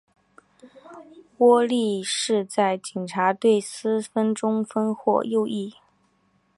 窝利士在警察队司职中锋或右翼。